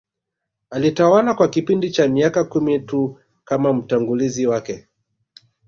Alitawala kwa kipindi cha miaka kumi tu kama mtangulizi wake